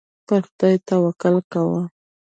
پر خدای توکل کوه.